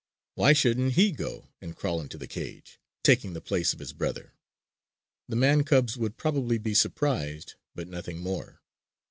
Why shouldn't he go and crawl into the cage, taking the place of his brother? The man cubs would probably be surprised; but nothing more.